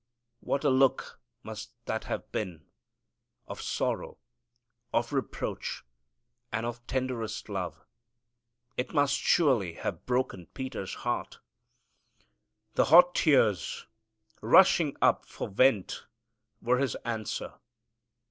What a look must that have been of sorrow, of reproach, and of tenderest love. It must surely have broken Peter's heart. The hot tears rushing up for vent were his answer.